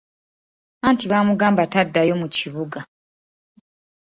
Anti baamugamba taddayo mu kibuga.